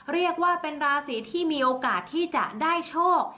เรียกว่าเป็นราศีที่มีโอกาสที่จะได้โชค